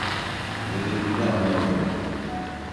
Nedenini anlamıyorum.